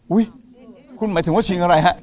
คุณหมายถึงว่าชิงอะไรฮะ